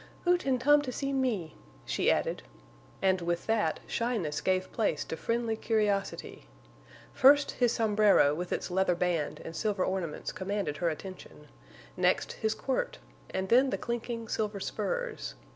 "Oo tan tom to see me," she added, and with that, shyness gave place to friendly curiosity. First his sombrero with its leather band and silver ornaments commanded her attention; next his quirt, and then the clinking, silver spurs.